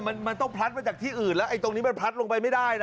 มันมันต้องพลัดมาจากที่อื่นแล้วไอ้ตรงนี้มันพลัดลงไปไม่ได้นะ